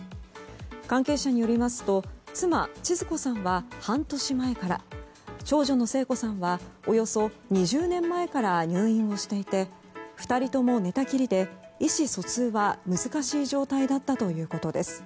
関係者によりますと妻ちづ子さんは半年前から長女の聖子さんはおよそ２０年前から入院をしていて２人とも寝たきりで意思疎通は難しい状態だったということです。